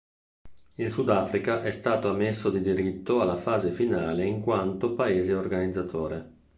Il Sudafrica è stata ammesso di diritto alla fase finale in quanto paese organizzatore.